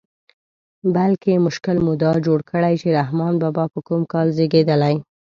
بلکې مشکل مو دا جوړ کړی چې رحمان بابا په کوم کال زېږېدلی.